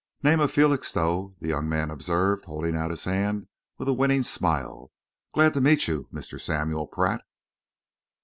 "Name of Felixstowe," the young man observed, holding out his hand with a winning smile. "Glad to meet you, Mr. Samuel Pratt."